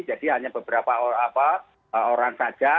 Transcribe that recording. jadi hanya beberapa orang saja